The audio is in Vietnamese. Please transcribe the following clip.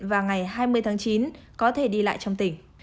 và ngày hai mươi tháng chín có thể đi lại trong tỉnh